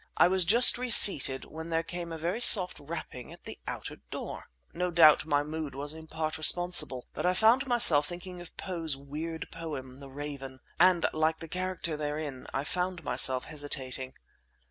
I was just reseated when there came a very soft rapping at the outer door! No doubt my mood was in part responsible, but I found myself thinking of Poe's weird poem, "The Raven"; and like the character therein I found myself hesitating.